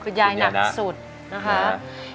ยายหนักสุดนะคะ